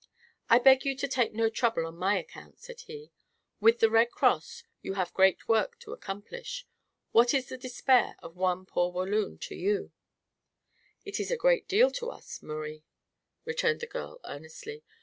"I beg you to take no trouble on my account," said he. "With the Red Cross you have great work to accomplish. What is the despair of one poor Walloon to you?" "It is a great deal to us, Maurie," returned the girl, earnestly.